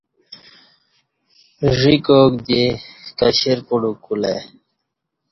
ژی ککاک دی کشرپڈوک کولہ ای